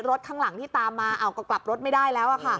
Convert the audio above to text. ข้างหลังที่ตามมาก็กลับรถไม่ได้แล้ว